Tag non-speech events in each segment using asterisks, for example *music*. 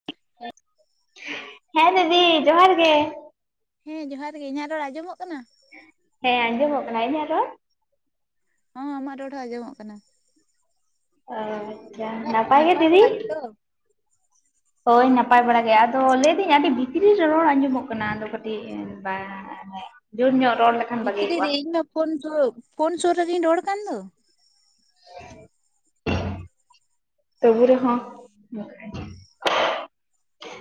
*inaudible* ᱦᱮᱸ ᱫᱤᱫᱤ ᱡᱚᱦᱟᱨ ᱜᱮ᱾ ᱦᱮᱸ ᱡᱚᱦᱟᱨ ᱜᱮ ᱤᱧᱟᱹᱜ ᱨᱚᱲ ᱟᱸᱡᱚᱢᱚᱜ ᱠᱟᱱᱟ᱾ ᱦᱮᱸ ᱟᱡᱚᱢ ᱚᱜ ᱠᱟᱱᱟ᱾ ᱤᱧᱟᱹᱜ ᱨᱚᱲ ᱦᱚᱸ ᱟᱢᱟᱜ ᱨᱚᱲ ᱦᱚᱸ ᱟᱸᱢᱚᱜ ᱠᱟᱱᱟ᱾ ᱚ ᱟᱪᱷᱟ ᱱᱟᱯᱟᱭ ᱜᱮ ᱫᱤᱫᱤ? ᱦᱳᱭ ᱱᱟᱯᱟᱭ ᱵᱟᱲᱟ ᱜᱮ ᱟᱫᱚ ᱞᱟᱹᱭ ᱟᱫᱤᱧ ᱟᱹᱰᱤ ᱵᱷᱤᱛᱨᱤ ᱨᱮ ᱨᱚᱲ ᱟᱸᱡᱚᱢᱚᱜ ᱠᱟᱱᱟ ᱟᱫᱚ ᱠᱟᱹᱴᱤᱡ ᱵᱟᱝ ᱡᱳᱨ ᱧᱚᱜ ᱨᱚᱲ ᱞᱮᱠ ᱵᱷᱤᱛᱨᱤ ᱨᱮ ᱤᱧᱢᱟ ᱯᱷᱳᱱ ᱯᱷᱳᱱ ᱥᱳᱨ ᱨᱮᱜᱤᱧ ᱨᱚᱲ ᱠᱟᱱ ᱫᱚ ᱛᱚᱵᱦᱤ ᱨᱮ ᱦᱚᱸ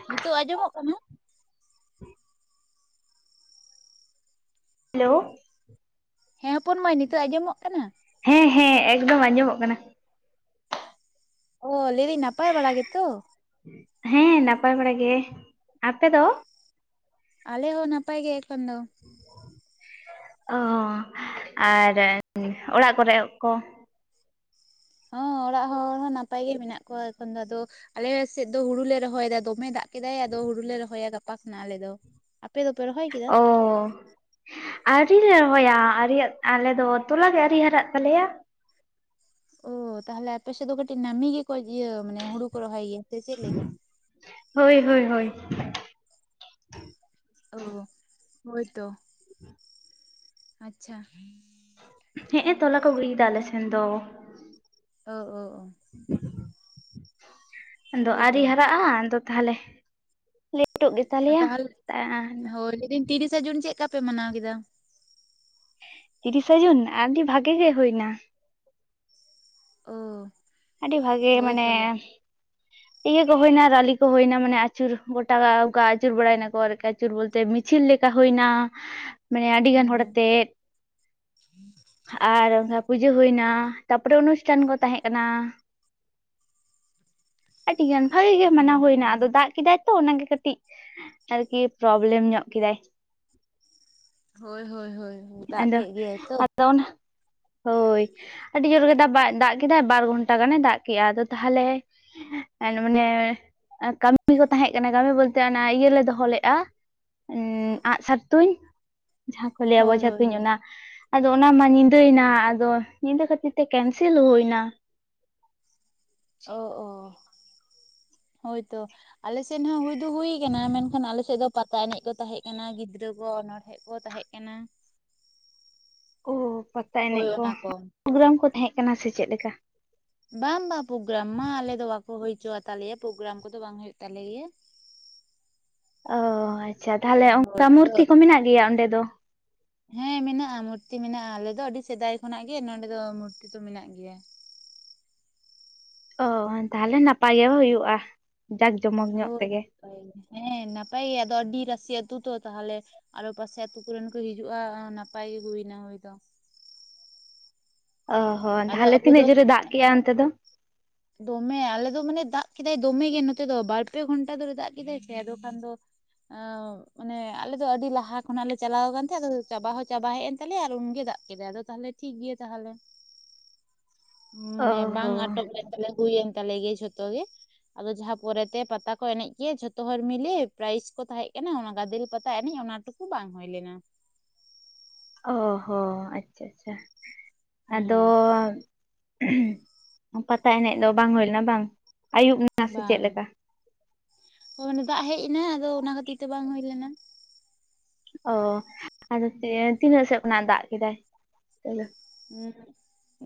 ᱱᱤᱛᱚᱜ ᱟᱸᱡᱚᱢᱚᱜ ᱠᱟᱱᱟ ᱾ ᱦᱮᱞᱳ ᱦᱮᱸ ᱦᱚᱯᱚᱱ ᱢᱟᱹᱭ ᱱᱤᱛᱚᱜ ᱟᱸᱡᱚᱢᱚᱜ ᱠᱟᱱᱟ᱾ ᱦᱮᱸ ᱦᱮᱸ ᱮᱠᱫᱚᱢ ᱟᱸᱡᱚᱢᱚᱜ ᱠᱟᱱᱟ᱾ ᱚ ᱞᱟᱹᱭ ᱫᱟᱹᱧ ᱱᱟᱯᱟᱭ ᱵᱟᱲᱟ ᱜᱮ ᱛᱚ᱾ ᱦᱮᱸ ᱱᱟᱯᱟᱭ ᱵᱟᱲᱟ ᱜᱮ ᱟᱯᱮ ᱫᱚ? ᱟᱞᱮ ᱦᱳ ᱱᱟᱯᱟᱭ ᱜᱮ ᱮᱠᱷᱚᱱ ᱫᱚ᱾ ᱚ ᱟᱨ ᱚᱲᱟᱜ ᱠᱚᱨᱮᱜ ᱠᱚ᱾ ᱦᱚᱸ᱾ ᱚᱲᱟᱜ ᱦᱚᱲ ᱦᱚᱸ ᱱᱟᱯᱟᱭ ᱜᱮ ᱢᱮᱱᱟᱜ ᱠᱚᱣᱟ ᱮᱠᱷᱚᱱ ᱫᱚ ᱟᱫᱚ ᱟᱞᱮ ᱥᱮᱫ ᱫᱚ ᱦᱩᱲᱩ ᱞᱮ ᱨᱚᱦᱚᱭᱮᱫᱟ ᱫᱚᱢᱮ ᱫᱟᱜ ᱠᱮᱫᱟᱭ ᱟᱫᱚ ᱦᱩᱲᱩ ᱞᱮ ᱨᱚᱦᱚᱭᱟ ᱜᱟᱯᱟ ᱠᱷᱱᱟᱜ ᱟᱞᱮ ᱫᱚ ᱟᱯᱮ ᱫᱚᱯᱮ ᱨᱚᱦᱚᱭ᱾ ᱠᱮᱫᱟ? ᱚ..... ᱟᱣᱨᱤᱞᱮ ᱨᱚᱦᱚᱭᱟ ᱟᱨᱤᱭᱟᱜ ᱟᱞᱮ ᱫᱚ ᱛᱚᱞᱟ ᱜᱮ ᱟᱹᱨᱤ ᱦᱟᱨᱟᱜ ᱛᱟᱞᱮᱭᱟ᱾ ᱚ ᱛᱟᱦᱚᱞᱮ ᱟᱯᱮᱥᱮᱫ ᱫᱚ ᱠᱟᱹᱴᱤᱡ ᱱᱟᱹᱢᱤ ᱜᱮᱠᱚ ᱤᱭᱟᱹ ᱢᱟᱱᱮ ᱦᱩᱲᱩ ᱠᱚ ᱨᱚᱦᱚᱭ ᱜᱮᱭᱟ ᱥᱮ ᱪᱮᱫᱮ ᱞᱮᱠᱟ? ᱦᱳᱭ ᱦᱳᱭ ᱦᱳᱭ᱾ ᱚ ᱦᱳᱭ ᱛᱚ᱾ ᱟᱪᱪᱷᱟ᱾ ᱦᱮᱸᱜ ᱮ ᱛᱚᱞᱟ ᱠᱚ ᱜᱩᱲᱤᱭᱮᱫᱟ ᱟᱞᱮ ᱥᱮᱱ ᱫᱚ᱾ ᱳ ᱳ ᱳ *unintelligible* ᱟᱫᱚ ᱟᱹᱣᱨᱤ ᱦᱳᱭᱛᱚ ᱦᱟᱨᱟᱜᱼᱟ ᱟᱫᱚ ᱛᱟᱦᱞᱮ᱾ ᱞᱮᱟᱹᱴᱩᱜ ᱜᱮ ᱛᱟᱞᱮᱭᱟ᱾ ᱛᱟᱦᱚᱞᱮ ᱦᱳᱭ ᱞᱟᱹᱭᱫᱟᱹᱧ ᱛᱤᱨᱤᱥᱟ ᱡᱩᱱ ᱪᱮᱫ ᱠᱟ ᱯᱮ ᱢᱟᱱᱟᱣ ᱠᱮᱫᱟ᱾ ᱛᱤᱨᱤᱥᱟ. ᱡᱩᱱ ᱟᱹᱰᱤ ᱵᱷᱟᱜᱮ ᱜᱮ ᱦᱩᱭᱱᱟ᱾ ᱳᱻ ᱟᱹᱰᱤ ᱵᱷᱟᱜᱮ ᱢᱮᱱᱟᱭᱟ᱾ *inaudible* ᱤᱭᱟᱹ ᱠᱚ ᱦᱩᱭᱱᱟ ᱨᱟᱹᱞᱤ ᱠᱚ ᱦᱩᱭᱱᱟ ᱢᱟᱱᱮ ᱟᱹᱪᱩᱨ ᱜᱚᱴᱟ ᱚᱱᱠᱟ ᱟᱹᱪᱩᱨ ᱵᱟᱲᱟᱭᱮᱱᱟᱠᱚ ᱟᱨᱠᱤ ᱟᱹᱪᱩᱨ ᱵᱚᱞᱛᱮ ᱢᱤᱫ ᱪᱤᱫ ᱞᱮᱠᱟ ᱦᱩᱭᱱᱟ᱾ *inaudible* ᱢᱟᱱᱮ ᱟᱹᱰᱤ ᱦᱮᱸ ᱜᱟᱱ ᱦᱚᱲ ᱦᱮᱸ ᱟᱛᱮᱜ ᱟᱨ *unintelligible* ᱯᱩᱡᱟᱹ ᱦᱩᱭ ᱮᱱᱟ᱾ ᱛᱟᱯᱚᱨᱮ ᱚᱱᱩᱥᱴᱷᱟᱱ ᱠᱚ ᱛᱟᱦᱮᱸ ᱠᱟᱱᱟ᱾ ᱟᱹᱰᱤ ᱜᱟᱱ ᱵᱷᱟᱜᱤ ᱜᱮ ᱢᱟᱱᱟᱣ ᱦᱩᱭᱱᱟ ᱟᱫᱚ ᱫᱟᱜ ᱠᱮᱫᱟᱭ᱾ ᱛᱚ ᱚᱱᱟᱜᱮ ᱠᱟᱹᱴᱤᱡ ᱟᱨᱠᱤ ᱯᱨᱚᱵᱞᱮᱢ ᱧᱚᱜ ᱠᱮᱫᱟᱭ ᱦᱳᱭ ᱦᱳᱭ ᱦᱳᱭ *unintelligible* ᱫᱟᱜ ᱟᱫᱚ ᱠᱮᱫ ᱜᱮᱭᱟᱭ ᱛᱚ ᱟᱫᱚ ᱚᱱᱟ᱾ ᱦᱳᱭ ᱟᱹᱰᱤ ᱡᱳᱨ ᱜᱮ ᱫᱟ ᱫᱟᱜ ᱠᱮᱫᱟᱭ ᱵᱟᱨ ᱜᱷᱚᱱᱴᱟ ᱜᱟᱱᱮ ᱫᱟᱜ ᱠᱮ-ᱟ ᱟᱫᱚ ᱛᱟᱦᱚᱞᱮ ᱢᱟᱱᱮ ᱠᱟᱹᱢᱤ ᱠᱚ ᱛᱟᱦᱮᱸ ᱠᱟᱱᱟ ᱠᱟᱹᱢᱤ ᱵᱚᱞᱛᱮ ᱚᱱᱟ ᱤᱭᱟᱹ ᱞᱮ ᱫᱚᱦᱚ ᱞᱮᱼᱟ᱾ ᱟᱸᱜᱥᱟᱨ ᱛᱩᱧ ᱡᱟᱦᱟᱸᱠᱩ ᱞᱟᱹᱭᱟ ᱦᱳᱭ ᱵᱚᱡᱷᱟ ᱦᱳᱭ ᱛᱩᱧ ᱦᱳᱭ ᱚᱱᱟ᱾ ᱟᱫᱚ ᱚᱱᱟ ᱢᱟ ᱧᱤᱫᱟᱹᱭᱱᱟ ᱟᱫᱚ ᱧᱤᱫᱟᱹ ᱠᱷᱟᱹᱛᱤᱨ ᱛᱮ ᱠᱮᱱᱥᱮᱞ ᱦᱩᱭ ᱮᱱᱟ᱾ ᱚ ᱚ ᱦᱳᱭᱛᱚ ᱟᱞᱮᱥᱮᱱ ᱦᱚᱸ ᱦᱩᱭ ᱦᱩᱭ ᱠᱟᱱᱟ ᱢᱮᱱᱠᱷᱟᱱ ᱟᱞᱮᱥᱮᱫ ᱫᱚ ᱯᱟᱛᱟ ᱮᱱᱮᱡ ᱠᱚ ᱛᱟᱦᱮᱸ ᱠᱟᱱᱟ ᱜᱤᱫᱽᱨᱟᱹ ᱠᱚ ᱚᱱᱚᱬᱦᱮ ᱠᱚ ᱛᱟᱦᱮᱸ ᱠᱟᱱᱟ᱾ ᱳ ᱯᱟᱛᱟ ᱦᱳᱭ ᱮᱱᱮᱡ ᱠᱚ ᱚᱱᱟ ᱯᱨᱳᱜᱨᱟᱢ ᱠᱚ ᱛᱟᱦᱮᱸ ᱠᱟᱱᱟ ᱥᱮ ᱪᱮᱫ ᱞᱮᱠᱟ᱾ ᱵᱟᱝ ᱵᱟᱝ ᱯᱨᱳᱜᱨᱟᱢ ᱢᱟ ᱟᱞᱮ ᱫᱚ ᱵᱟᱠᱚ ᱦᱩᱭᱪᱚᱛᱟᱞᱮᱭᱟ ᱯᱨᱳᱜᱨᱟᱢ ᱠᱚᱫᱚ ᱵᱟᱝ ᱦᱩᱭᱩᱜ ᱛᱟᱞᱮ ᱜᱮᱭᱟ᱾ *inaudible* ᱚ ᱟᱪᱪᱷᱟ ᱛᱟᱦᱚᱞᱮ ᱦᱳᱭ ᱦᱳᱭ ᱚᱱᱠᱟ ᱟᱫᱚ ᱢᱩᱨᱛᱤ ᱠᱚ ᱢᱮᱱᱟᱜ ᱜᱮᱭᱟ ᱚᱸᱰᱮ ᱫᱚ᱾ ᱦᱮᱸ ᱢᱮᱱᱟᱜᱼᱟ ᱢᱩᱨᱛᱤ ᱢᱮᱱᱟᱜᱼᱟ ᱟᱞᱮ ᱫᱚ ᱟᱹᱰᱤ ᱥᱮᱫᱟᱭ ᱠᱷᱚᱱᱟᱜ ᱜᱮ ᱱᱚᱰᱮ ᱫᱚ ᱢᱩᱨᱛᱤ ᱫᱚ ᱢᱮᱱᱟᱜ ᱜᱮᱭᱟ᱾ ᱚ ᱛᱟᱦᱚᱞᱮ ᱱᱟᱯᱟᱭ ᱜᱮ ᱦᱩᱭᱩᱜᱼᱟ᱾ ᱡᱟᱠ ᱡᱚᱢᱚᱜ᱾ ᱦᱳᱭ ᱱᱟᱯᱟᱭ ᱜᱮ ᱦᱮᱸ ᱱᱟᱯᱟᱭ ᱜᱮ ᱟᱫᱚ ᱟᱹᱰᱤ ᱨᱟᱥᱤ ᱟᱹᱛᱩ ᱛᱚ ᱛᱟᱦᱚᱞᱮ᱾ ᱟᱨᱚ ᱯᱟᱥᱮ ᱟᱛᱩ ᱠᱚᱨᱮᱱ ᱠᱚ ᱦᱤᱡᱩᱜᱼᱟ ᱱᱟᱯᱟᱭ ᱦᱩᱭᱱᱟ ᱦᱳᱭ ᱫᱚ᱾ ᱚ ᱦᱚᱸᱚ ᱟᱫᱚ ᱛᱟᱦᱚᱞᱮ ᱟᱵᱚ ᱫᱚ ᱛᱤᱱᱟᱹᱜ ᱡᱳᱨᱮ ᱫᱟᱜ ᱠᱮᱫᱮᱜᱼᱟ ᱚᱱᱛᱮ ᱫᱚ᱾ ᱫᱚᱢᱮ ᱟᱞᱮ ᱫᱚ ᱢᱟᱱᱮ ᱫᱟᱜ ᱠᱮᱫᱟᱭ ᱫᱚᱢᱮ ᱜᱮ ᱱᱚᱛᱮ ᱫᱚ ᱵᱟᱨ-ᱯᱮ ᱜᱷᱚᱱᱴᱟ ᱫᱷᱚᱨᱮ ᱫᱟᱜ ᱠᱮᱫᱟᱭ ᱥᱮ ᱟᱫᱚ ᱠᱷᱟᱱ ᱫᱚ᱾ *unintelligible* ᱢᱟᱱᱮ ᱟᱞᱮᱫ ᱫᱚ ᱟᱹᱰᱤ ᱞᱟᱦᱟ ᱠᱷᱚᱱᱟᱜ ᱞᱮ ᱪᱟᱞᱟᱣ ᱟᱠᱟᱱ ᱛᱟᱦᱮᱸᱫ ᱟᱫᱚ ᱪᱟᱵᱟ ᱦᱚᱸ ᱪᱟᱵᱟ ᱦᱮᱡ ᱮᱱ ᱛᱟᱞᱮᱭᱟ ᱟᱨ ᱩᱱᱜᱮ ᱫᱟᱜ᱾ ᱠᱮᱫᱟᱭ ᱟᱫᱚ ᱛᱟᱦᱚᱞᱮ ᱴᱷᱤᱠ ᱜᱮᱭᱟ ᱛᱟᱦᱚᱞᱮ ᱚ ᱢᱟᱱᱮ ᱵᱟᱝ ᱦᱚᱸ ᱟᱴᱚᱠ ᱞᱮ᱾ ᱛᱟᱦᱚᱞᱮ ᱦᱩᱭᱮᱱ ᱛᱟᱞᱮ ᱜᱮᱭᱟ ᱡᱷᱚᱛᱚ ᱜᱮ᱾ ᱟᱫᱚ ᱡᱟᱦᱟᱸ ᱯᱚᱨᱮᱛᱮ ᱯᱟᱛᱟ ᱠᱚ ᱮᱱᱮᱡ ᱜᱮ ᱡᱷᱚᱛᱚ ᱦᱚᱲ ᱢᱤᱞᱮ ᱯᱨᱟᱭᱤᱡᱽ ᱠᱚ ᱛᱟᱦᱮᱸ ᱠᱟᱱᱟ ᱚᱱᱟ ᱜᱟᱫᱮᱞ ᱯᱟᱛᱟ ᱮᱱᱮᱡ ᱚᱱᱟ ᱴᱩᱠᱩ᱾ ᱠᱩ ᱵᱟᱝ ᱦᱩᱭ ᱞᱮᱱᱟ᱾ ᱚ ᱦᱚᱸ ᱟᱪᱪᱷᱟ ᱪᱷᱟ ᱟᱫᱚ᱾ ᱦᱩᱸ ᱯᱟᱛᱟ ᱮᱱᱮᱡ ᱫᱚ ᱵᱟᱝ ᱦᱩᱭ ᱞᱮᱱᱟ ᱵᱟᱝ? ᱟᱹᱭᱩᱵ ᱮᱱᱟ ᱥᱮ ᱪᱮᱫ ᱵᱟᱝ ᱞᱮᱠᱟ ᱚᱱᱮ ᱫᱟᱜ ᱦᱮᱡ ᱮᱱᱟ ᱟᱫᱚ ᱚᱱᱟ ᱠᱷᱟᱹᱛᱤᱨ ᱛᱮ ᱵᱟᱝ ᱦᱩᱭ ᱞᱮᱱᱟ᱾ ᱚ ᱟᱫᱚ ᱛᱤᱱᱟᱹᱜ ᱥᱮᱫ ᱠᱷᱚᱱᱟᱜ ᱫᱟᱜ ᱠᱮᱫᱟᱭ ᱛᱚ᱾ ᱦᱩᱸ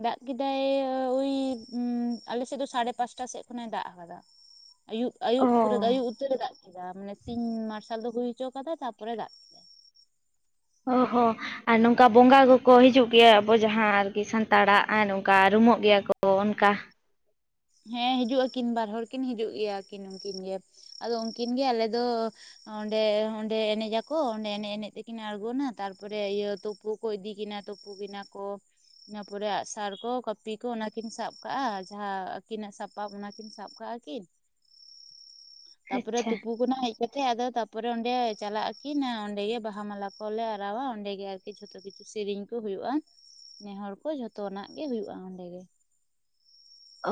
ᱫᱟᱜ ᱠᱮᱫᱟᱭ ᱳᱭ ᱟᱞᱮᱥᱮᱫ ᱫᱚ ᱥᱟᱲᱮ ᱯᱟᱸᱪᱴᱟ ᱥᱮᱫ ᱠᱷᱚᱱ ᱮ ᱫᱟᱜ ᱟᱠᱟᱫᱟ᱾ ᱟᱭᱩᱵ ᱟᱭᱩᱵ ᱚ ᱯᱩᱨᱟᱹ ᱟᱭᱩᱵ ᱩᱛᱟᱹᱨᱮ ᱫᱟᱜ ᱠᱮᱫᱟ ᱢᱟᱱᱮ ᱥᱤᱧ ᱢᱟᱨᱥᱟᱞ ᱫᱚ ᱦᱩᱭ ᱦᱚᱪᱚ ᱠᱟᱫᱟ ᱛᱟᱯᱚᱨᱮ ᱫᱟᱜ ᱠᱮᱫᱟ᱾ ᱚ ᱦᱚᱸ ᱟᱨ ᱱᱚᱝᱠᱟ ᱵᱚᱸᱜᱟ ᱠᱚᱠᱚ ᱦᱤᱡᱩᱜ ᱜᱮᱭᱟ, ᱟᱵᱚ ᱡᱟᱦᱟᱸ ᱟᱨᱠᱤ ᱥᱟᱸᱛᱟᱲᱟᱜ ᱟᱨ ᱱᱚᱝᱠᱟ ᱨᱩᱢᱩᱜ ᱜᱮᱭᱟ ᱠᱚ᱾ ᱚᱱᱠᱟ ᱦᱮᱸ ᱦᱤᱡᱩᱜ ᱟᱹᱠᱤᱱ ᱵᱟᱨ ᱦᱚᱲ ᱠᱤᱱ ᱦᱤᱡᱩᱜ ᱜᱮᱭᱟ ᱠᱤᱱ ᱩᱱᱠᱤᱱ ᱜᱮ᱾ ᱟᱫᱚ ᱩᱱᱠᱤᱱ ᱜᱮ ᱟᱞᱮ ᱫᱚ᱾ ᱚᱸᱰᱮ ᱚᱸᱰᱮ ᱮᱱᱮᱡ ᱟᱠᱚ ᱚᱸᱰᱮ ᱮᱱᱮᱡ ᱮᱱᱮᱡ ᱛᱮᱠᱤᱱ ᱟᱬᱜᱚᱱᱟ ᱛᱟᱨᱯᱚᱨᱮ ᱤᱭᱟᱹ ᱛᱩᱯᱩ᱾ ᱠᱚ ᱤᱫᱤ ᱠᱤᱱᱟ ᱛᱩᱯᱩ ᱠᱤᱱᱟ ᱠᱚ ᱤᱱᱟᱹ ᱯᱚᱨᱮ ᱟᱜᱥᱟᱨ ᱠᱚ ᱠᱟᱹᱯᱤ ᱠᱚ ᱚᱱᱟ ᱠᱤᱱ ᱥᱟᱵ᱾ ᱠᱟᱜᱼᱟ ᱡᱟᱦᱟᱸ ᱟᱹᱠᱤᱱᱟᱜ ᱥᱟᱯᱟᱵ ᱚᱱᱟ ᱠᱤᱱ ᱥᱟᱵ ᱠᱟᱜᱼᱟ ᱠᱤᱱ᱾ ᱛᱟᱯᱚᱨᱮ ᱟᱪᱪᱷᱟ ᱛᱩᱯᱩ ᱠᱚᱱᱟᱭ᱾ ᱠᱟᱛᱮ ᱟᱫᱚ ᱛᱟᱯᱚᱨᱮ ᱚᱸᱰᱮ ᱪᱟᱞᱟᱜ ᱟᱠᱤᱱᱟ, ᱚᱸᱰᱮ ᱜᱮ ᱵᱟᱦᱟ ᱢᱟᱞᱟ ᱠᱚᱞᱮ ᱟᱨᱟᱣᱟ ᱚᱸᱰᱮ ᱜᱮ ᱟᱨᱠᱤ᱾ ᱡᱷᱚᱛᱚ ᱠᱤᱪᱷᱩ ᱥᱮᱨᱮᱧ ᱠᱚ ᱦᱩᱭᱩᱜᱼᱟ, ᱱᱮᱦᱚᱨ ᱠᱚ ᱡᱷᱚᱛᱚᱱᱟᱜ ᱜᱮ ᱦᱩᱭᱩᱜᱼᱟ, ᱚᱸᱰᱮ ᱜᱮ᱾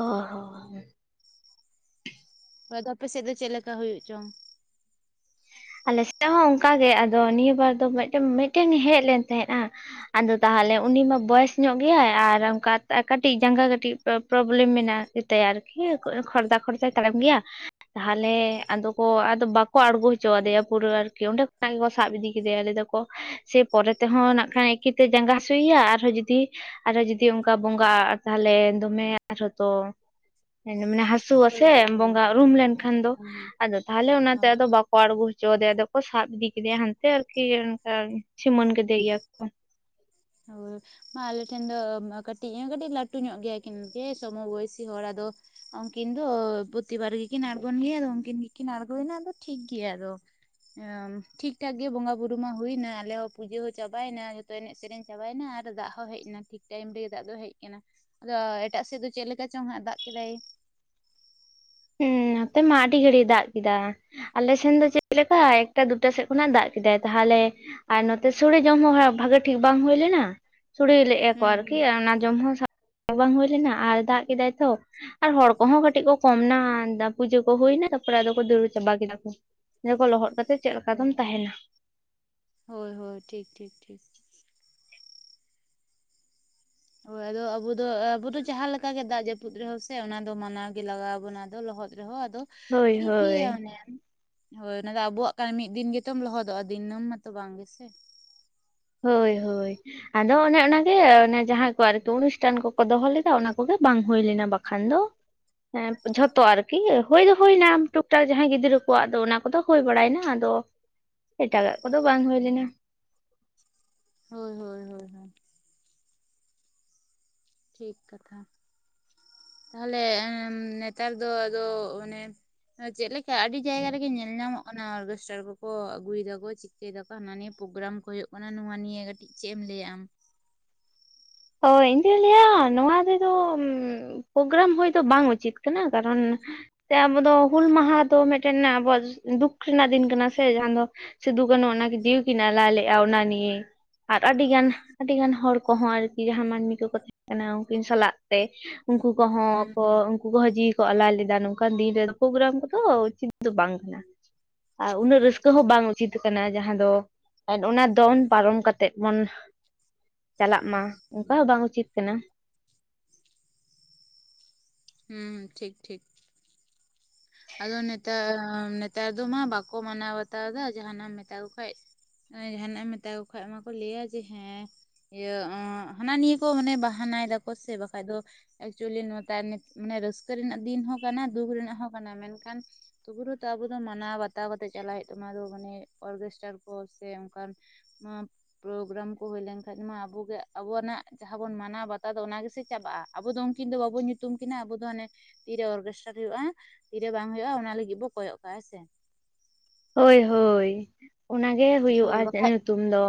ᱚ ᱦᱚᱸ ᱦᱳᱭ ᱟᱫᱚ ᱟᱯᱮᱥᱮᱫ ᱫᱚ ᱪᱮᱫᱮ ᱞᱮᱠᱟ ᱦᱩᱭᱩᱜ ᱪᱚᱝ᱾ ᱟᱞᱮ ᱥᱮᱫ ᱦᱚᱸ ᱚᱱᱠᱟᱜᱮ ᱟᱫᱚ ᱱᱤᱭᱟᱹ ᱵᱟᱨ ᱫᱚ ᱢᱤᱫᱴᱮᱱ ᱦᱮᱡ ᱞᱮᱱ ᱛᱟᱦᱮᱸᱫᱼᱟ᱾ ᱟᱫᱚ ᱛᱟᱦᱚᱞᱮ ᱩᱱᱤ ᱢᱟ ᱵᱚᱭᱮᱥ ᱧᱚᱜ ᱜᱮᱭᱟᱭ ᱾ ᱟᱨ ᱚᱱᱠᱟ ᱠᱟᱹᱴᱤᱡ ᱡᱟᱸᱜᱟ ᱠᱟᱹᱴᱤᱡ᱾ ᱯᱨᱚᱵᱞᱮᱢ ᱢᱮᱱᱟᱜ ᱜᱮᱛᱟᱭᱟ ᱟᱨᱠᱤ ᱠᱷᱚᱨᱫᱟ ᱠᱷᱚᱨᱫᱟᱭ ᱛᱟᱲᱟᱢ ᱜᱮᱭᱟ᱾ ᱛᱟᱦᱚᱞᱮ ᱟᱫᱚ ᱠᱚ ᱟᱫᱚ ᱵᱟᱠᱚ ᱟᱬᱜᱚ ᱦᱚᱪᱚ᱾ ᱦᱚᱪᱚ ᱟᱫᱮᱭᱟ ᱯᱩᱨᱟᱹ ᱟᱨᱠᱤ ᱚᱸᱰᱮ ᱠᱷᱚᱱᱟᱜ ᱜᱮᱠᱚ ᱥᱟᱵ ᱤᱫᱤ ᱠᱮᱫᱮᱭᱟ ᱞᱟᱹᱭ ᱫᱚᱠᱚ᱾ ᱥᱮ ᱯᱚᱨᱮ ᱛᱮᱦᱚᱸ ᱱᱟᱜ ᱠᱷᱟᱱ ᱮᱠᱤᱛᱮ ᱡᱟᱸᱜᱟ ᱦᱟᱥᱩᱭᱮᱭᱟ ᱟᱨᱦᱚᱸ ᱡᱩᱫᱤ᱾ ᱟᱨᱚ ᱡᱩᱫᱤ ᱚᱱᱠᱟ ᱵᱚᱸᱜᱟᱜ ᱛᱟᱦᱚᱞᱮ ᱫᱚᱢᱮ ᱟᱨᱦᱚᱸ ᱛᱚ, ᱢᱟᱱᱮ ᱦᱟᱥ᱾ ᱦᱟᱹᱥᱩᱣᱟ ᱦᱳᱭ ᱥᱮ ᱦᱳᱭ ᱦᱳᱭ ᱵᱚᱸᱜᱟ ᱨᱩᱨᱩᱢ ᱞᱮᱱᱠᱷᱟᱱ ᱫᱚ ᱟᱫᱚ ᱛᱟᱦᱚᱞᱮ ᱚᱱᱟᱛᱮ ᱟᱫᱚ ᱵᱟ᱾ ᱵᱟᱠᱚ ᱟᱬᱜᱚ ᱦᱚᱪᱚ ᱟᱫᱮᱭᱟ ᱟᱫᱚ ᱠᱚ ᱥᱟᱵ ᱤᱫᱤ ᱠᱮᱫᱮᱭᱟ ᱦᱟᱱᱛᱮ ᱟᱨᱠᱤ ᱚᱱᱠᱟ ᱥᱤᱢᱟᱹᱱ ᱠᱮᱫᱮ ᱜᱮᱭᱟ ᱠᱚ᱾ ᱦᱳᱭ ᱢᱟ ᱟᱞᱮ ᱴᱷᱮᱱ ᱫᱚ ᱠᱟᱹᱴᱤᱡ ᱠᱟᱹᱴᱤᱡ ᱞᱟᱹᱴᱩ ᱧᱚᱜ ᱜᱮᱭᱟ ᱠᱤᱱ ᱡᱮ ᱥᱚᱢᱚ ᱵᱚᱭᱥᱤ ᱦᱚᱲ ᱟᱫᱚ᱾ ᱩᱱᱠᱤᱱ ᱫᱚ ᱯᱨᱚᱛᱤᱵᱟᱨ ᱜᱮᱠᱤᱱ ᱟᱬᱜᱳ ᱜᱮᱭᱟ ᱟᱫᱚ ᱩᱱᱠᱤᱱ ᱜᱮᱠᱤᱱ ᱟᱬᱜᱳᱱᱟ ᱟᱫᱚ ᱴᱷᱤᱠ ᱜᱮᱭᱟ ᱟᱫᱚ᱾ ᱚᱸ ᱴᱷᱤᱠᱴᱷᱟᱠ ᱜᱮ ᱵᱚᱸᱜᱟ ᱵᱩᱨᱩ ᱢᱟ ᱦᱩᱭᱮᱱᱟ ᱟᱞᱮ ᱦᱚᱸ ᱯᱩᱡᱟᱹ ᱦᱚᱸ ᱪᱟᱵᱟᱭᱮᱱᱟ ᱡᱚᱛᱚ ᱮᱱᱮᱡ ᱥᱮᱨᱮᱧ᱾ ᱪᱟᱵᱟᱭᱮᱱᱟ ᱟᱨ ᱫᱟᱜ ᱦᱚᱸ ᱦᱮᱡ ᱮᱱᱟ ᱴᱷᱤᱠ ᱴᱟᱭᱤᱢ ᱨᱮᱜᱮ ᱫᱟᱜ ᱫᱚ ᱦᱮᱡ ᱟᱠᱟᱱᱟ᱾ ᱟᱫᱚ ᱮᱴᱟᱜ ᱥᱮᱫ ᱫᱚ ᱪᱮᱫ ᱞᱮᱠᱟ ᱪᱚᱝ ᱦᱟᱜ ᱫᱟᱜ ᱠᱮᱫᱟᱭ‍‍᱾ ᱦᱮᱸ ᱱᱚᱛᱮ ᱢᱟ ᱟᱹᱰᱤ ᱜᱷᱟᱲᱤᱭ ᱫᱟᱜ ᱠᱮᱫᱟ᱾ ᱟᱞᱮ ᱥᱮᱱ ᱫᱚ ᱪᱮᱫ ᱞᱮᱠᱟ ᱮᱠᱴᱟ ᱫᱩᱴᱟ ᱥᱮᱫ ᱠᱷᱚᱱᱟᱜ ᱫᱟᱜ ᱠᱮᱫᱟᱭ? ᱛᱟᱦᱞᱮ ᱟᱨ ᱱᱚᱛᱮ ᱥᱚᱲᱮ ᱡᱚᱢ ᱦᱚᱸ ᱵᱷᱟᱜᱮ ᱴᱷᱤᱠ ᱵᱟᱝ ᱦᱩᱭ ᱞᱮᱱᱟ᱾ ᱥᱚᱲᱮ ᱞᱮᱜ ᱟ ᱠᱚ ᱦᱩᱸ ᱟᱨᱠᱤ ᱦᱩᱸ ᱚᱱᱟ ᱡᱚᱢ ᱦᱚᱸ ᱥᱟ ᱵᱟᱝ ᱦᱩᱭ ᱞᱮᱱᱟ ᱟᱨ ᱫᱟᱜ ᱠᱮᱫᱟᱭ ᱛᱚ ᱾ ᱟᱨ ᱦᱚᱲ ᱠᱚᱦᱚᱸ ᱠᱟᱹᱴᱤᱡ ᱠᱚ ᱠᱚᱢ ᱱᱟ᱾ ᱯᱩᱡᱟᱹ ᱠᱚ ᱦᱩᱭᱮᱱᱟ ᱛᱟᱯᱚᱨᱮ ᱟᱫᱚ ᱫᱟᱹᱲ ᱪᱟᱵᱟ ᱠᱮᱫᱟ ᱠᱚ ᱾ ᱚᱱᱟ ᱠᱚ ᱞᱚᱦᱚᱫ ᱠᱟᱛᱮᱜ ᱪᱮᱫ ᱞᱮᱠᱟ ᱫᱚᱢ ᱛᱟᱦᱮᱱᱟ᱾ ᱦᱳᱭ ᱦᱳᱭ ᱴᱷᱤᱠ ᱴᱷᱤᱠ ᱴᱷᱤᱠ᱾ ᱦᱳᱭ ᱟᱫᱚ ᱟᱵᱩ ᱫᱚ ᱟᱵᱩ ᱫᱚ ᱡᱟᱦᱟᱸ ᱞᱮᱠᱟ ᱜᱮ ᱫᱟᱜ ᱡᱟᱹᱯᱩᱫ ᱨᱮᱦᱚᱸ ᱥᱮ ᱚᱱᱟ ᱫᱚ ᱢᱟᱱᱟᱣ ᱜᱮ ᱞᱟᱜᱟᱣ ᱟᱵᱚᱱᱟ ᱫᱚ ᱞᱚᱦᱚᱫ᱾ ᱨᱮᱦᱚᱸ ᱟᱫᱚ ᱦᱳᱭ ᱴᱷᱤᱠ ᱦᱳᱭ ᱜᱮᱭᱟ ᱚᱱᱮ ᱦᱳᱭ ᱚᱱᱟᱫᱚ ᱟᱵᱚᱣᱟᱜ ᱠᱟᱱᱟ, ᱢᱤᱫ ᱫᱤᱱ ᱜᱮᱛᱚᱢ ᱞᱚᱦᱚᱫᱚᱜᱼᱟ ᱫᱤᱱᱟᱹᱢ ᱢᱟᱛᱚ ᱵᱟᱝ ᱜᱮ ᱥᱮ᱾ ᱦᱳᱭ ᱦᱳᱭ ᱟᱫᱚ ᱚᱱᱮ ᱚᱱᱟᱜᱮ ᱚᱱᱮ ᱡᱟᱦᱟᱸᱭ ᱠᱚ ᱟᱨᱠᱤ ᱚᱱᱩᱥᱴᱷᱟᱱ ᱠᱚᱠᱚ ᱫᱚᱦᱚ ᱞᱮᱫᱟ ᱚᱱᱟ ᱠᱚᱜᱮ ᱵᱟᱝ ᱦᱩᱭ ᱞᱮᱱᱟ ᱵᱟᱠᱷᱟᱱ ᱫᱚ᱾ ᱦᱮᱸ ᱡᱷᱚᱛᱚ ᱟᱨᱠᱤ ᱦᱳᱭ ᱫᱚ ᱦᱩᱭᱱᱟ, ᱴᱩᱠ ᱴᱟᱠ ᱡᱟᱦᱟᱸᱭ ᱜᱤᱫᱽᱨᱟᱹ ᱠᱚᱣᱟᱜ ᱫᱚ ᱚᱱᱟ᱾ ᱠᱚᱫᱚ ᱦᱩᱭ ᱵᱟᱲᱟᱭᱱᱟ ᱟᱫᱚ ᱾ ᱮᱴᱟᱜᱟᱜ ᱠᱚᱫᱚ ᱵᱟᱝ ᱦᱩᱭ ᱞᱮᱱᱟ᱾ ᱦᱳᱭ ᱦᱳᱭ ᱦᱳᱭ ᱦᱳᱭ ᱴᱷᱤᱠ ᱠᱟᱛᱷᱟ ᱛᱟᱦᱚᱞᱮ ᱱᱮᱛᱟᱨ ᱫᱚ ᱟᱫᱚ ᱚᱱᱮ ᱪᱮᱫ ᱞᱮᱠᱟ ᱟᱹᱰᱤ ᱡᱟᱭᱜᱟ ᱨᱮᱜᱮ ᱧᱮᱞ ᱧᱟᱢᱚᱜ ᱚᱱᱟ ᱚᱨᱜᱮᱥᱴᱟᱨ ᱠᱚᱠᱚ ᱟᱹᱜᱩᱭᱮᱫᱟ ᱠᱚ ᱪᱤᱠᱟᱹᱭᱮᱫᱟ ᱠᱚ ᱦᱟᱱᱟ ᱱᱤᱭᱟᱹ ᱯᱨᱚᱜᱨᱟᱢ ᱠᱚ ᱦᱩᱭᱩᱜ ᱠᱟᱱᱟ ᱱᱚᱣᱟ ᱱᱤᱭᱟᱹ ᱠᱟᱹ ᱪᱮᱫ ᱮᱢ ᱞᱟᱹᱭᱟ ᱟᱢ? ᱦᱚᱭ ᱤᱧᱫᱩᱧ ᱞᱟᱹᱭᱟ᱾ ᱱᱚᱣᱟ ᱨᱮᱫᱚ ᱯᱨᱳᱜᱨᱟᱢ ᱦᱚᱭ ᱫᱚ ᱵᱟᱝ ᱩᱪᱤᱛ ᱠᱟᱱᱟ᱾ ᱠᱟᱨᱚᱱ ᱛᱮ ᱟᱵᱚ ᱫᱚ ᱦᱩᱞ ᱢᱟᱦᱟ ᱫᱚ ᱢᱤᱫᱴᱟᱝ ᱟᱵᱚ ᱫᱩᱠ ᱨᱮᱱᱟᱜ ᱫᱤᱱ ᱠᱟᱱᱟ ᱥᱮ᱾ ᱡᱟᱦᱟᱸ ᱫᱚ ᱥᱤᱫᱩ ᱠᱟᱱᱩ ᱚᱱᱟ ᱜᱮ ᱡᱤᱭᱤ ᱠᱤᱱ ᱟᱞᱟᱭ ᱞᱮᱫᱼᱟ ᱚᱱᱟ ᱱᱤᱭᱮ᱾ ᱟᱨ ᱟᱰᱤ ᱜᱟᱱ ᱟᱹᱰᱤ ᱜᱟᱱ ᱦᱚᱲ ᱠᱚᱦᱚᱸ ᱟᱨ ᱡᱟᱦᱟᱸ ᱢᱟᱹᱱᱢᱤ ᱠᱚᱠᱚ ᱛᱟᱦᱮᱸ ᱠᱟᱱᱟ ᱩᱱᱠᱤᱱ ᱥᱟᱞᱟᱜ ᱛᱮ ᱩᱱᱠᱩ ᱠᱚᱦᱚᱸ ᱦᱩᱸ ᱠᱚ ᱦᱩᱸ ᱩᱱᱠᱩ ᱦᱚᱸ ᱡᱤᱣᱤ ᱠᱚ ᱟᱞᱟ ᱞᱮᱫᱟ ᱱᱚᱝᱠᱟᱱ ᱫᱤᱱ ᱨᱮ ᱯᱨᱳᱜᱽᱨᱟᱢ ᱠᱚᱫᱚ ᱪᱮᱫ ᱫᱚ ᱵᱟᱝ ᱠᱟᱱᱟ ᱟᱨ ᱩᱱᱟᱹᱜ ᱨᱟᱹᱥᱠᱟᱹ ᱦᱚᱸ ᱵᱟᱝ ᱩᱪᱤᱛ ᱠᱟᱱᱟ ᱡᱟᱦᱟᱸ ᱫᱚ ᱚᱱᱟ ᱫᱚᱱ ᱯᱟᱨᱚᱢ ᱠᱟᱛᱮᱜ ᱵᱚᱱ ᱪᱟᱞᱟᱜ ᱢᱟ᱾ ᱚᱱᱠᱟ ᱵᱟᱝ ᱩᱪᱤᱛ ᱠᱟᱱᱟ᱾ ᱦᱩᱸ ᱦᱩᱸ ᱴᱷᱤᱠ ᱴᱷᱤᱠ ᱾ ᱟᱫᱚ ᱱᱮᱛᱟᱨ ᱱᱮᱛᱟᱨ ᱫᱚ ᱢᱟ ᱵᱟᱠᱚ ᱢᱟᱱᱟᱣ ᱵᱟᱛᱟᱣ ᱫᱟ, ᱡᱟᱦᱟᱸᱱᱟᱜ ᱮᱢ ᱢᱮᱛᱟ ᱠᱚ ᱠᱷᱟᱡ᱾ ᱡᱟᱦᱟᱱᱟᱜ ᱮᱢ ᱢᱮᱛᱟ ᱠᱚ ᱠᱷᱟ ᱢᱟᱠᱚ ᱞᱟᱹᱭᱟ ᱡᱮ ᱦᱮᱸ ᱤᱭᱟᱹ ᱦᱟᱱᱟ ᱱᱤᱭᱟᱹ ᱠᱚ ᱢᱟᱱᱮ ᱵᱟᱦᱟᱱᱟᱭ ᱫᱟᱠᱚ ᱥᱮ ᱵᱟᱠᱷᱟᱡ ᱫᱚ ᱮᱠᱪᱩᱞᱤ *unintelligible* ᱢᱟᱱᱮ ᱨᱟᱹᱥᱠᱟᱹ ᱨᱮᱱᱟᱜ ᱫᱤᱱ ᱦᱚᱸ ᱠᱟᱱᱟ ᱫᱩᱠ ᱨᱮᱱᱟᱜ ᱦᱚᱸ ᱠᱟᱱᱟ ᱢᱮᱱᱠᱷᱟᱱ ᱛᱚᱵᱩ ᱨᱟᱦᱚ ᱛᱚ ᱟᱵᱚ ᱫᱚ ᱢᱟᱱᱟᱣ ᱵᱟᱛᱟᱣ ᱠᱟᱛᱮᱫ ᱪᱟᱞᱟᱜ ᱦᱩᱭᱩᱜ ᱛᱟᱢᱟ ᱢᱟᱱᱮ ᱚᱨᱜᱮᱥᱴᱟᱨ ᱠᱚ ᱥᱮ ᱚᱱᱠᱟᱱ ᱯᱨᱚᱜᱨᱟᱢ ᱠᱚ ᱦᱩᱭᱞᱮᱱᱠᱷᱟᱡ ᱢᱟ ᱟᱵᱚᱜᱮ ᱟᱵᱚᱱᱟᱜ ᱡᱟᱦᱟᱸ ᱵᱚᱱ ᱢᱟᱱᱟᱣ ᱵᱟᱛᱟᱣ ᱫᱚ ᱚᱱᱟᱜᱮᱥᱮ ᱪᱟᱵᱟᱜᱼᱟ, ᱟᱵᱚ ᱫᱚ ᱩᱱᱠᱤᱱ ᱫᱚ ᱵᱟᱵᱚᱱ ᱧᱩᱛᱩᱢ ᱠᱤᱱᱟ᱾ ᱟᱵᱚ ᱫᱚ ᱦᱟᱱᱮ ᱛᱤᱨᱮ ᱚᱨᱠᱮᱥᱴᱟᱨ ᱦᱩᱭᱩᱜᱼᱟ ᱛᱤᱨᱮ ᱵᱟᱝ ᱦᱩᱭᱩᱜᱼᱟ ᱚᱱᱟ ᱞᱟᱹᱜᱤᱫ ᱵᱚ ᱠᱚᱭᱚᱜ ᱠᱟᱜ ᱦᱮᱸ ᱥᱮ᱾ ᱦᱳᱭ ᱦᱳᱭ ᱚᱱᱟ ᱜᱮ ᱦᱩᱭᱩᱜᱼᱟ ᱟᱡᱟᱜ ᱧᱩᱛᱩᱢ ᱫᱚ᱾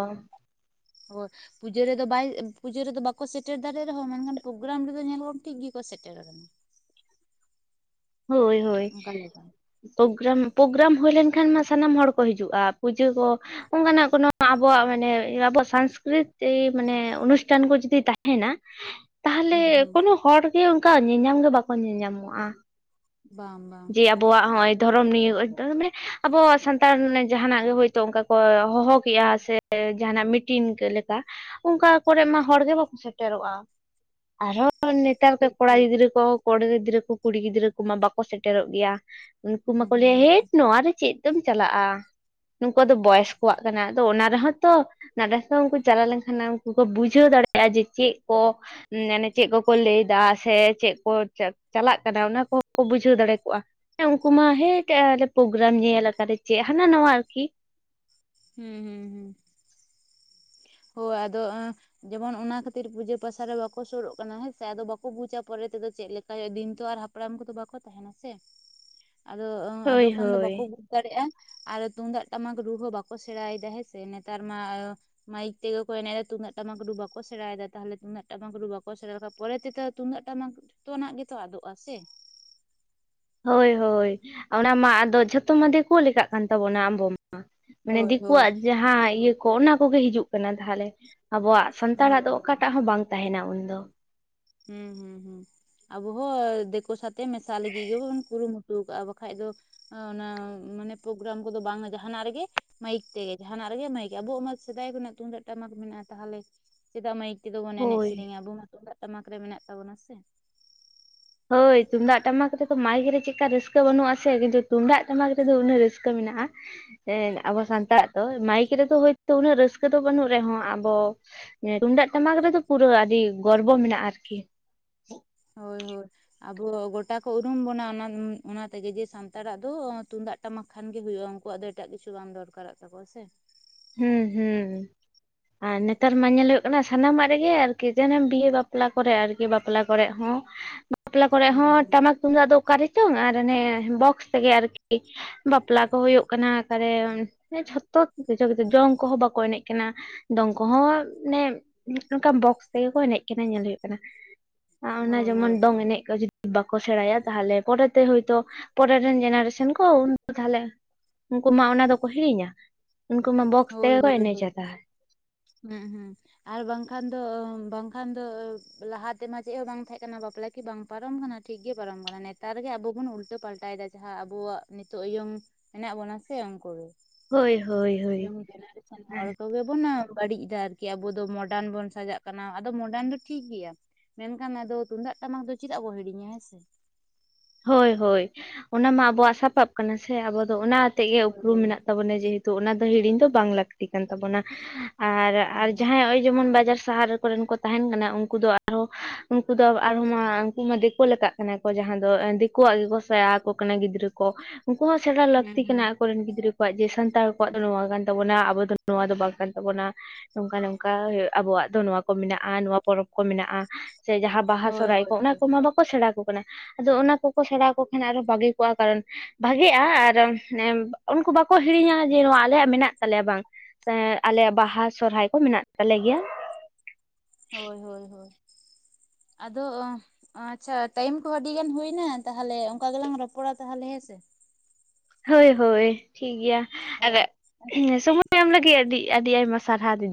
ᱦᱚᱭ ᱾ ᱯᱩᱡᱟᱹ ᱨᱮᱫᱚ ᱵᱟᱭ ᱯᱩᱡᱟᱹ ᱨᱮᱫᱚ ᱵᱟᱠᱚ ᱥᱮᱴᱮᱨ ᱫᱟᱲᱮᱭᱟᱜ ᱨᱮᱦᱚᱸ ᱢᱮᱱᱠᱷᱟᱱ ᱯᱨᱳᱜᱨᱟᱢ ᱨᱮᱫᱚ ᱧᱮᱞᱚᱜ ᱴᱷᱤᱠ ᱜᱮᱠᱚ ᱥᱮᱴᱮᱨ ᱟᱠᱟᱱᱟ᱾ ᱦᱚᱭ ᱦᱚᱭ ᱚᱱᱠᱟ ᱞᱮᱠᱟ ᱾ ᱯᱨᱚᱜᱨᱟᱢ ᱯᱨᱚᱜᱨᱟᱢ ᱦᱩᱭ ᱞᱮᱱᱠᱷᱟᱱ ᱢᱟ ᱥᱟᱱᱟᱢ ᱦᱚᱲ ᱠᱚ ᱦᱤᱡᱩᱜᱼᱟ ᱯᱩᱡᱟᱹ ᱠᱚ ᱚᱱᱠᱟᱱᱟᱜ ᱠᱚᱱᱚ ᱟᱵᱚᱣᱟᱜ ᱢᱟᱱᱮ ᱟᱵᱚᱣᱟᱜ ᱥᱟᱝᱥᱠᱨᱤᱛᱤ ᱢᱟᱱᱮ ᱚᱱᱩᱥᱴᱷᱟᱱ ᱠᱚ ᱡᱩᱫᱤ ᱛᱟᱦᱮᱱᱟ᱾ *inaudible* ᱛᱟᱦᱚᱞᱮ ᱦᱩᱸ ᱠᱳᱱᱳ ᱦᱚᱲ ᱜᱮ ᱚᱱᱠᱟ ᱧᱮᱞᱧᱟᱢ ᱜᱮ ᱵᱟᱠᱚ ᱧᱮᱧᱟᱢᱚᱜᱼᱟ ᱵᱟᱝ ᱵᱟᱝ ᱡᱮ ᱟᱵᱚᱣᱟᱜ ᱱᱚᱜᱼᱚᱭ ᱫᱷᱚᱨᱚᱢ ᱱᱤᱭ ᱢᱟᱱᱮ ᱟᱵᱚ ᱥᱟᱱᱛᱟᱲ ᱡᱟᱦᱟᱱᱟᱜ ᱜᱮ ᱦᱳᱭᱛᱳ ᱚᱱᱠᱟ ᱠᱚ ᱦᱚᱦᱚ ᱠᱮᱫᱮᱜᱼᱟ ᱥᱮ ᱡᱟᱦᱱᱟᱜ ᱢᱤᱴᱤᱝ ᱞᱮᱠᱟ ᱚᱱᱠᱟ ᱠᱚᱨᱮ ᱢᱟ ᱦᱚᱲᱜᱮ ᱵᱟᱠᱚ ᱥᱮᱴᱮᱨᱚᱜᱼᱟ᱾ ᱟᱨᱦᱚᱸ ᱱᱮᱛᱟᱨ ᱴᱷᱤᱠ ᱠᱚᱲᱟ ᱴᱷᱤᱠ ᱜᱤᱫᱽᱨᱟᱹ ᱠᱚ ᱠᱚᱲᱟ ᱜᱤᱫᱽᱨᱟᱹ ᱠᱚ ᱠᱩᱲᱤ ᱜᱤᱫᱽᱨᱟᱹ ᱠᱚᱢᱟ ᱵᱟᱠᱚ ᱥᱮᱴᱮᱨᱚᱜ ᱜᱮᱭᱟ᱾ ᱩᱝᱠᱩ ᱦᱩᱸ ᱢᱟᱠᱚ ᱞᱟᱹᱭ ᱟ ᱦᱩᱸ ᱦᱮᱴ ᱱᱚᱣᱟᱨᱮ ᱪᱮᱫ ᱫᱚᱢ ᱪᱟᱞᱟᱜ-ᱟ᱾ ᱱᱩᱠᱩᱣᱟᱜ ᱫᱚ ᱵᱚᱭᱚᱥ ᱠᱚᱣᱟᱜ ᱠᱟᱱᱟ ᱟᱫᱚ ᱚᱱᱟ ᱨᱮᱦᱚᱸ ᱛᱚ ᱱᱟᱰᱮ ᱥᱮ ᱩᱱᱠᱩ ᱪᱟᱞᱟᱣ ᱞᱮᱱᱠᱷᱟᱱ ᱩᱱᱠᱩ ᱠᱚ ᱵᱩᱡᱷᱟᱹᱣ ᱫᱟᱲᱮᱭᱟᱜᱼᱟ᱾ ᱡᱮ ᱪᱮᱫ ᱠᱚ ᱢᱟᱱᱮ ᱪᱮᱫ ᱠᱚᱠᱚ ᱞᱟᱹᱭᱮᱫᱟ ᱥᱮ ᱪᱮᱫ ᱠᱚ ᱪᱟᱞᱟᱜ ᱠᱟᱱᱟ᱾ ᱚᱱᱟ ᱠᱚ ᱠᱚ ᱵᱩᱡᱷᱟᱹᱣ ᱫᱟᱲᱮ ᱠᱚᱜᱼᱟ, ᱦᱮᱸ ᱩᱱᱠᱩ ᱢᱟ ᱦᱮᱴ ᱟᱞᱮ ᱯᱨᱳᱜᱨᱟᱢ ᱧᱮᱞ ᱟᱠᱟᱫᱮ ᱪᱮᱫ ᱦᱟᱱᱟ ᱱᱟᱣᱟ ᱟᱨᱠᱤ᱾ ᱦᱩᱸ ᱦᱩᱸ ᱦᱩᱸ ᱦᱳᱭ ᱟᱫᱚ ᱡᱮᱢᱚᱱ ᱚᱱᱟ ᱠᱷᱟᱹᱛᱤᱨ ᱯᱩᱡᱟᱹ ᱯᱟᱥᱟ ᱨᱮ ᱵᱟᱠᱚ ᱥᱩᱨᱩᱜ ᱠᱟᱱᱟ ᱦᱮᱸᱥᱮ ᱟᱫᱚ ᱵᱟᱠᱚ ᱵᱩᱡᱟ ᱯᱚᱨᱮ ᱛᱮᱫᱚ ᱪᱮᱫ ᱞᱮᱠᱟ ᱦᱩᱭᱩᱜᱼᱟ ᱫᱤᱱ ᱛᱚ ᱟᱨ ᱦᱟᱯᱲᱟᱢ ᱠᱚᱫᱚ ᱵᱟᱠᱚ ᱛᱟᱦᱮᱱᱟ ᱥᱮ ᱟᱫᱚ ᱟᱫᱚ ᱦᱳᱭ ᱠᱷᱟᱱ ᱫᱚ ᱦᱳᱭ ᱵᱟᱠᱚ ᱫᱟᱲᱮᱭᱟᱜᱼᱟ ᱟᱨ ᱛᱩᱢᱫᱟᱜ ᱴᱟᱢᱟᱠ ᱨᱩ ᱦᱚᱸ ᱵᱟᱠᱚ ᱥᱮᱬᱟᱭᱮᱫᱟ ᱦᱮᱸᱥᱮ ᱱᱮᱛᱟᱨ ᱢᱟ᱾ ᱢᱟᱭᱤᱠ ᱛᱮᱜᱮ ᱠᱚ ᱮᱱᱮᱡ ᱮᱜᱼᱟ ᱛᱩᱢᱫᱟᱜ ᱴᱟᱢᱟᱠ ᱨᱩ ᱵᱟᱠᱚ ᱥᱮᱬᱟᱭᱮᱫᱟ ᱛᱟᱦᱚᱞᱮ ᱛᱩᱢᱫᱟᱜ ᱴᱟᱢᱟᱠ ᱨᱩ ᱵᱟᱠᱚ ᱥᱮᱬᱟᱫᱟ ᱯᱚᱨᱮ ᱛᱮᱛᱚ ᱛᱩᱢᱫᱟᱜ ᱴᱟᱢᱟᱠ ᱡᱚᱛᱚᱱᱟᱜ ᱜᱮᱛᱚ ᱟᱫᱚᱜᱼᱟ ᱥᱮ᱾ ᱦᱳᱭ ᱦᱳᱭ ᱚᱱᱟ ᱢᱟ ᱟᱫᱚ ᱡᱷᱚᱛᱚ ᱢᱟ ᱪᱤᱠᱳ ᱞᱮᱠᱟ ᱠᱟᱱ ᱛᱟᱵᱚᱱᱟ ᱟᱢᱵᱚᱢ ᱢᱟ᱾ ᱢᱟᱱᱮ ᱦᱳᱭ ᱦᱳᱭ ᱫᱤᱠᱩᱣᱟᱜ ᱡᱟᱦᱟᱸ ᱤᱭᱟᱹ ᱠᱚ ᱚᱱᱟ ᱠᱚᱜᱮ ᱦᱤᱡᱩᱜ ᱠᱟᱱᱟ ᱛᱟᱦᱚᱞᱮ ᱟᱵᱚᱣᱟᱜ ᱥᱟᱱᱛᱟᱲᱟᱜ ᱫᱚ ᱦᱳᱭ ᱦᱳᱭ ᱚᱠᱟᱴᱟᱜ ᱦᱚᱸ ᱵᱟᱝ ᱛᱟᱦᱮᱱᱟ ᱩᱱᱫᱚ᱾ ᱦᱩᱸ ᱦᱩᱸ ᱦᱩᱸ ᱟᱵᱚ ᱦᱚᱸ ᱫᱤᱠᱩ ᱥᱟᱛᱮ ᱢᱮᱥᱟᱜ ᱞᱟᱹᱜᱤᱫ ᱜᱮᱵᱚᱱ ᱠᱩᱨᱩᱢᱩᱴᱩ ᱟᱠᱟᱜᱼᱟ ᱵᱟᱠᱷᱟᱡ ᱫᱚ ᱚᱱᱟ ᱢᱟᱱᱮ ᱯᱨᱳᱜᱨᱟᱢ ᱠᱚᱫᱚ ᱵᱟᱝᱼᱟ ᱡᱟᱦᱱᱟᱜ ᱨᱮᱜᱮ ᱢᱟᱹᱭᱤᱠ ᱛᱮᱜᱮ ᱡᱟᱦᱟᱱᱟᱜ ᱨᱮᱜᱮ ᱢᱟᱹᱭᱤᱠ ᱟᱵᱚᱣᱟᱜ ᱥᱮᱫᱟᱭ ᱠᱷᱱᱟᱜ ᱛᱩᱢᱫᱟᱹᱜ ᱴᱟᱢᱟᱠ ᱢᱮᱱᱟᱜᱼᱟ ᱛᱟᱦᱚᱞᱮ ᱪᱮᱫᱟᱜ ᱢᱟᱹᱭᱤᱠ ᱛᱮᱫᱚ ᱵᱚᱱ ᱮᱱᱮᱡ ᱦᱳᱭ ᱥᱮᱨᱮᱝᱟ ᱟᱵᱩ ᱢᱟ ᱛᱩᱢᱫᱟᱹᱜ ᱴᱟᱢᱟᱠ ᱨᱮ ᱢᱮᱱᱟᱜ ᱛᱟᱵᱚᱱᱟ ᱥᱮ᱾ ᱦᱳᱭ ᱛᱩᱢᱫᱟᱜ ᱴᱟᱢᱟᱠ ᱨᱮᱫᱚ ᱢᱟᱹᱭᱤᱠ ᱨᱮ ᱪᱮᱫᱠᱟ ᱨᱟᱹᱥᱠᱟᱹ ᱵᱟᱹᱱᱩᱜ ᱟᱥᱮ ᱠᱤᱱᱛᱩ ᱛᱩᱢᱫᱟᱹᱜ ᱴᱟᱢᱟᱠ ᱨᱮᱫᱚ ᱫᱚ ᱩᱱᱟᱹᱜ ᱨᱟᱹᱥᱠᱟᱹ ᱢᱮᱱᱟᱜᱼᱟ᱾ ᱦᱮᱸ ᱟᱵᱚ ᱥᱟᱱᱛᱟᱲᱼᱟᱜ ᱫᱚ ᱢᱟᱭᱤᱠ ᱨᱮᱫᱚ ᱦᱳᱭᱛᱳ ᱩᱱᱟᱹᱜ ᱨᱟᱹᱥᱠᱟᱹ ᱫᱚ ᱵᱟᱹᱱᱩᱜ ᱨᱮᱦᱚᱸ ᱟᱵᱚ ᱛᱩᱢᱫᱟᱹᱜ ᱴᱟᱢᱟᱠ ᱨᱮᱫᱚ ᱯᱩᱨᱟᱹ ᱟᱹᱰᱤ ᱜᱚᱨᱵᱚ ᱢᱮᱱᱟᱜᱼᱟ ᱟᱨᱠᱤ᱾ ᱦᱳᱭ ᱦᱳᱭ ᱟᱵᱚ ᱜᱚᱴᱟ ᱠᱚ ᱩᱨᱩᱢ ᱵᱚᱱᱟ ᱚᱱᱟ ᱚᱱᱟ ᱛᱮᱜᱮ ᱡᱮ ᱥᱟᱱᱛᱟᱲᱼᱟᱜ ᱫᱚ ᱛᱩᱢᱫᱟᱹᱜ ᱴᱟᱢᱟᱠ ᱠᱷᱟᱱ ᱜᱮ ᱦᱩᱭᱩᱜᱼᱟ ᱩᱱᱠᱩᱣᱟᱜ ᱫᱚ ᱮᱴᱟᱜ ᱠᱤᱪᱷᱩ ᱵᱟᱝ ᱫᱚᱨᱠᱟᱨᱚᱜ ᱛᱟᱠᱚᱣᱟ ᱥᱮ᱾ ᱦᱩᱸ ᱦᱩᱸ *inaudible* ᱟᱨ ᱱᱮᱛᱟᱨ ᱢᱟ ᱧᱮᱞ ᱦᱳᱭᱳᱜ ᱠᱟᱱᱟ ᱥᱟᱱᱟᱢᱟᱜ ᱨᱮᱜᱮ ᱟᱨᱠᱤ ᱡᱮᱱ ᱵᱤᱦᱟᱹ ᱵᱟᱯᱞᱟ ᱠᱚᱨᱮ ᱟᱨᱠᱤ ᱵᱟᱯᱞᱟ ᱠᱚᱨᱮ ᱦᱚᱸ᱾ *unintelligible* ᱵᱟᱯᱞᱟ ᱠᱚᱨᱮ ᱦᱩᱸ ᱦᱚᱸ ᱦᱩᱸ ᱴᱟᱢᱟᱠ ᱛᱩᱢᱫᱟᱹᱜ ᱫᱚ ᱚᱠᱟᱨᱮᱪᱚᱝ ᱟᱨ ᱚᱱᱮ ᱵᱚᱠᱥ ᱛᱮᱜᱮ ᱟᱨᱠᱤ᱾ ᱵᱟᱯᱞᱟ ᱠᱚ ᱦᱳᱭᱳᱜ ᱠᱟᱱᱟ, ᱟᱠᱟᱨᱮ ᱡᱷᱚᱛᱚ ᱠᱤᱪᱷᱩ ᱠᱤᱪᱷᱩ ᱡᱚᱢ ᱠᱚᱦᱚᱸ ᱵᱟᱠᱚ ᱮᱱᱮᱡ ᱠᱟᱱᱟ᱾ ᱫᱚᱝ ᱠᱚᱦᱚᱸ ᱢᱟᱱᱮ ᱚᱱᱠᱟ ᱵᱚᱠᱥ ᱛᱮᱜᱮ ᱠᱚ ᱮᱱᱮᱡ ᱠᱟᱱᱟ ᱧᱮᱞ ᱦᱩᱭᱩᱜ ᱠᱟᱱᱟ᱾ ᱟ ᱚᱱᱟ ᱦᱳᱭ ᱡᱮᱢᱚᱱ ᱦᱳᱭ ᱰᱚᱝ ᱮᱱᱮᱡ ᱠᱚ ᱡᱩᱫ ᱵᱟᱠᱚ ᱥᱮᱲᱟᱭᱟ ᱛᱟᱦᱚᱞᱮ ᱯᱚᱨᱮᱛᱮ ᱦᱳᱭᱛᱚ ᱯᱚᱨᱮ ᱨᱮᱱ ᱡᱮᱱᱟᱨᱮᱥᱚᱱ ᱠᱚ ᱛᱟᱦᱚᱞᱮ ᱩᱝᱠᱩ ᱢᱟ ᱚᱱᱟ ᱫᱚᱠᱚ ᱦᱤᱲᱤᱧᱟ, ᱩᱱᱠᱩ ᱢᱟ ᱵᱚᱠᱥ ᱦᱳᱭ ᱛᱮᱜᱮᱠᱚ ᱦᱳᱭ ᱮᱱᱮᱡ ᱦᱳᱭ ᱛᱟᱦᱚᱞᱮ᱾ ᱦᱩᱸ ᱦᱩᱸ ᱟᱨ ᱵᱟᱝᱠᱷᱟᱱ ᱫᱚ ᱵᱟᱝᱠᱷᱟᱱ ᱫᱚ ᱞᱟᱦᱟᱛᱮᱢᱟ ᱪᱮᱫ ᱦᱚᱸ ᱵᱟᱝ ᱛᱟᱦᱮᱸ ᱠᱟᱱᱟ ᱵᱟᱯᱞᱟ ᱠᱤ ᱵᱟᱝ ᱯᱟᱨᱚᱢ ᱟᱠᱟᱱᱟ? ᱴᱷᱤᱠᱜᱮ ᱯᱟᱨᱚᱢ ᱠᱟᱱᱟ, ᱱᱮᱛᱟᱨ ᱜᱮ ᱟᱵᱚ ᱵᱩᱱ ᱩᱞᱴᱟᱹ ᱯᱟᱞᱴᱟᱭᱮᱫᱟ ᱡᱟᱦᱟᱸ ᱟᱵᱚᱣᱟᱜ ᱱᱤᱛᱚᱜ ᱤᱭᱚᱝ ᱦᱮᱱᱟᱜ ᱵᱚᱱᱟ ᱥᱮ ᱩᱱᱠᱩ ᱜᱮ᱾ ᱦᱳᱭ ᱦᱳᱭ ᱦᱳᱭ ᱤᱭᱚᱝ ᱡᱮᱱᱟᱨᱮᱥᱚᱱ ᱦᱮᱸ ᱦᱚᱲ ᱠᱚ ᱜᱮ *unintelligible* ᱵᱟᱹᱲᱤᱡ ᱫᱟ ᱟᱨᱠᱤ ᱟᱵᱚ ᱫᱚ ᱢᱚᱰᱟᱱ ᱵᱚᱱ ᱥᱟᱡᱟᱜ ᱠᱟᱱᱟ ᱟᱫᱚ ᱢᱚᱰᱟᱱ ᱫᱚ ᱴᱷᱤᱠ ᱜᱮᱭᱟ᱾ ᱢᱮᱱᱠᱷᱟᱱ ᱟᱫᱚ ᱛᱩᱢᱫᱟᱹᱜ ᱴᱟᱢᱟᱠ ᱫᱚ ᱪᱮᱫᱟᱜ ᱵᱚᱱ ᱦᱤᱲᱤᱧᱟ ᱦᱮᱸ ᱥᱮ᱾ ᱦᱳᱭ ᱦᱳᱭ ᱚᱱᱟ ᱢᱟ ᱟᱵᱚᱣᱟᱜ ᱥᱟᱯᱟᱵ ᱠᱟᱱᱟ ᱥᱮ, ᱟᱵᱚ ᱫᱚ ᱚᱱᱟ ᱟᱛᱮᱫ ᱜᱮ ᱦᱳᱭ ᱩᱯᱨᱩᱢ ᱦᱳᱭ ᱢᱮᱱᱟᱜ ᱛᱟᱵᱚᱱᱟ ᱡᱮᱦᱮᱛ ᱛᱚ ᱚᱱᱟ ᱫᱚ ᱦᱤᱲᱤᱧ ᱫᱚ ᱵᱟᱝ ᱞᱟᱹᱠᱛᱤ ᱠᱟᱱ ᱛᱟᱵᱚᱱᱟ, ᱟᱨ ᱟᱨ ᱦᱳᱭ ᱡᱟᱦᱟᱸ ᱱᱚᱜ ᱡᱮᱢᱚᱱ ᱵᱟᱡᱟᱨ ᱥᱟᱦᱟᱨ ᱠᱚᱨᱮᱱ ᱠᱚ ᱛᱟᱦᱮᱱ ᱠᱟᱱᱟ ᱩᱝᱠᱩ ᱟᱨᱦᱚᱸ ᱩᱝᱠᱩ ᱫᱚ ᱟᱨᱦᱚ ᱩᱱᱠᱩ ᱫᱤᱠᱩ ᱞᱮᱠᱟ ᱠᱟᱱᱟ ᱠᱚ ᱡᱟᱦᱟᱱ ᱫᱚ ᱫᱤᱠᱩᱣᱟᱜ ᱜᱮᱠᱚ ᱥᱮᱲᱟ ᱟᱠᱚ ᱠᱟᱱᱟ ᱜᱤᱫᱽᱨᱟᱹ ᱠᱚ ᱩᱝᱠᱩ ᱦᱚᱸ ᱥᱮᱲᱟ ᱦᱩᱸ ᱞᱟᱹᱠᱛᱤ ᱦᱩᱸ ᱠᱟᱱᱟ᱾ ᱠᱚ ᱨᱮᱱ ᱜᱤᱫᱽᱨᱟᱹ ᱠᱚᱣᱟᱜ ᱡᱮ ᱥᱟᱱᱛᱟᱲ ᱠᱚᱣᱟᱜ ᱫᱚ ᱱᱚᱣᱟ ᱠᱟᱱ ᱛᱟᱵᱚᱱᱟ ᱟᱵᱚ ᱫᱚ ᱱᱚᱣᱟ ᱫᱚ ᱵᱟᱝ ᱠᱟᱱ ᱛᱟᱵᱚᱱᱟ᱾ ᱱᱚᱝᱠᱟ ᱱᱚᱝᱠᱟ ᱟᱵᱚᱣᱟᱜ ᱫᱚ ᱱᱚᱣᱟ ᱠᱚ ᱢᱮᱱᱟᱜᱼᱟ ᱱᱚᱣᱟ ᱯᱚᱨᱚᱵᱽ ᱠᱚ ᱢᱮᱱᱟᱜᱼᱟ᱾ ᱥᱮ ᱡᱟᱦᱟᱸ ᱵᱟᱦᱟ ᱦᱳᱭ ᱥᱚᱨᱚᱦᱟᱭ ᱦᱳᱭ ᱠᱚ ᱚᱱᱟ ᱦᱳᱭ ᱠᱚᱢᱟ ᱵᱟᱠᱚ ᱥᱮᱬᱟ ᱠᱚ ᱠᱟᱱᱟ᱾ ᱟᱫᱚ ᱚᱱᱟ ᱠᱚᱠᱚ ᱥᱮᱲᱟᱣ ᱠᱚ ᱠᱷᱟᱱ ᱟᱨᱚ ᱵᱷᱟᱜᱤ ᱠᱚᱜᱼᱟ ᱠᱟᱨᱚᱱ ᱵᱷᱟᱜᱮᱼᱟ ᱱᱮ ᱟᱨ ᱩᱱᱠᱩ ᱵᱟᱠᱚ ᱦᱤᱲᱤᱧᱟ ᱡᱮ ᱱᱚᱣᱟ ᱟᱞᱮᱭᱟᱜ ᱢᱮᱱᱟᱜ ᱛᱟᱞᱮᱭᱟ ᱵᱟᱝ᱾ ᱥᱮ ᱟᱞᱮᱭᱟᱜ ᱵᱟᱦᱟ ᱥᱚᱨᱟᱭ ᱠᱚ ᱢᱮᱱᱟᱜ ᱛᱟᱞᱮ ᱜᱮᱭᱟ᱾ ᱦᱳᱭ ᱦᱳᱭ ᱦᱳᱭ ᱟᱫᱚ ᱟᱪᱪᱷᱟ ᱴᱟᱭᱤᱢ ᱠᱚᱦᱚ ᱟᱹᱰᱤ ᱜᱟᱱ ᱦᱳᱭᱱᱟ ᱛᱟᱦᱚᱞᱮ ᱚᱝᱠᱟ ᱜᱮᱞᱟᱝ ᱨᱚᱯᱚᱲᱟ ᱛᱟᱦᱚᱞᱮ ᱦᱮᱸᱥᱮ᱾ ᱦᱳᱭ ᱦᱳᱭ ᱴᱷᱤᱠᱜᱮᱭᱟ, ᱟᱨ ᱥᱚᱢᱚᱭ ᱮᱢ ᱞᱟᱹᱜᱤᱫ ᱟᱹᱰᱤ ᱟᱹᱰᱤ ᱟᱭᱢᱟ ᱥᱟᱨᱦᱟᱣ ᱫᱤ